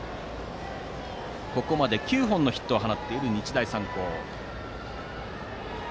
ここまで９本のヒットを放っている日大三高。